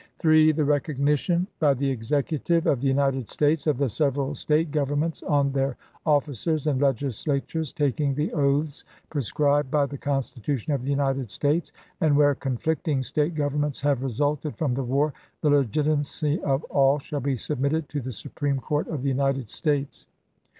"3. The recognition by the Executive of the United States of the several State governments, on their officers and Legislatures taking the oaths pre scribed by the Constitution of the United States, and, where conflicting State governments have resulted from the war, the legitimacy of all shall be submitted to the Supreme Court of the United States.